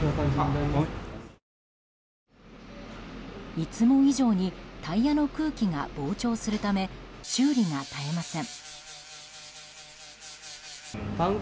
いつも以上にタイヤの空気が膨張するため修理が絶えません。